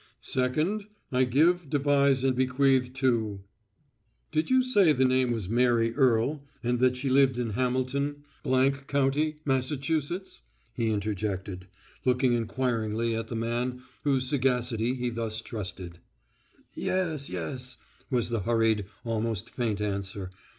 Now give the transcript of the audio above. Second: I give, devise, and bequeath to—— "Did you say the name was Mary Earle, and that she lived in Hamilton, —— county, Massachusetts?" he interjected, looking inquiringly at the man whose sagacity he thus trusted. "Yes, yes," was the hurried, almost faint answer.